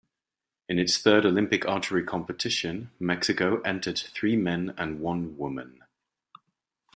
In its third Olympic archery competition, Mexico entered three men and one woman.